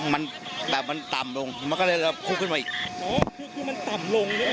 มันแบบมันต่ำลงมันก็เลยคุบขึ้นมาอีกอ๋อคือคือมันต่ำลงด้วย